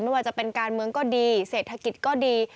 ไม่ว่าจะเป็นการเมืองก็ดีเศรษฐกิจก็ดี